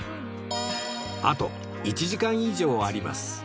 あと１時間以上あります